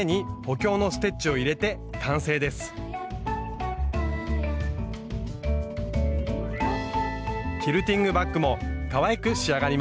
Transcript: キルティングバッグもかわいく仕上がりました。